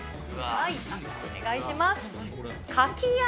お願いします。